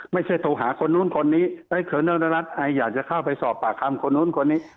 ไม่ใช่ถูกหาคนนู้นคนนี้คนนรัฐอายอยากจะเข้าไปสอบปากคำคนนู้นคนนี้